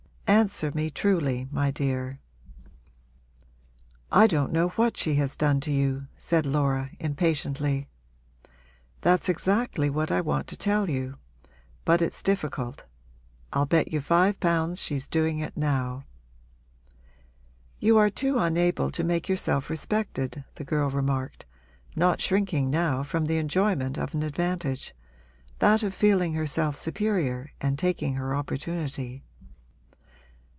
Answer me truly, my dear!' 'I don't know what she has done to you,' said Laura, impatiently. 'That's exactly what I want to tell you. But it's difficult. I'll bet you five pounds she's doing it now!' 'You are too unable to make yourself respected,' the girl remarked, not shrinking now from the enjoyment of an advantage that of feeling herself superior and taking her opportunity.